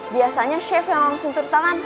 biasanya chef yang langsung turun tangan